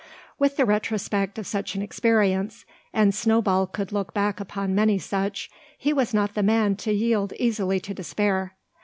With the retrospect of such an experience, and Snowball could look back upon many such, he was not the man to yield easily to despair.